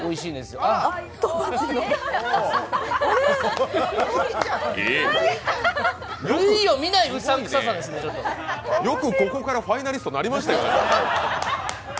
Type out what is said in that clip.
よくここからファイナリストになりましたよね。